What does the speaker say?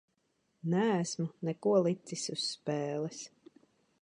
Neesmu neko licis uz spēles.